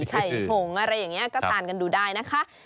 ไข่ผงอะไรอย่างนี้ก็ทานกันดูได้นะคะ